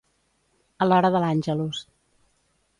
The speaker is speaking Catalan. A l'hora de l'Àngelus.